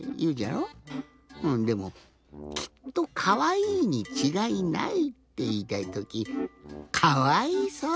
でもきっとかわいいにちがいないっていいたいときかわいそう！